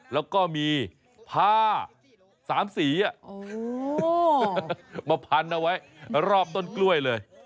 แล้วก็มีผ้า๓สีมาพันเอาไว้รอบต้นกล้วยเลย